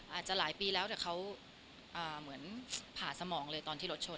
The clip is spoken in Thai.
อาจจะหลายปีแล้วแต่เขาเหมือนผ่าสมองเลยตอนที่รถชน